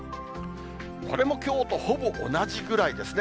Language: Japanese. これもきょうとほぼ同じぐらいですね。